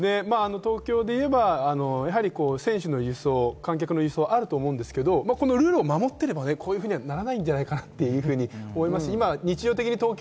東京で言えば選手の輸送、観客の輸送があると思いますが、このルールを守っていれば、こういうふうにはならないんじゃないかなと思います。